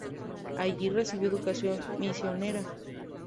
Allí recibió educación misionera.